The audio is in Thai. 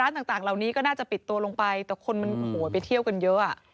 ต่างเหล่านี้ก็น่าจะปิดตัวลงไปแต่คนมันไปเที่ยวกันเยอะ